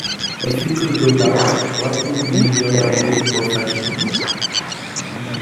If you could go back, what would be your ideal profession?